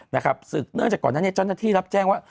นะครับเนื่องจากก่อนหน้านี้เจ้าหน้าที่รับแจ้งว่า